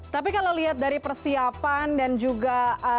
tapi kalau lihat dari persiapan dan juga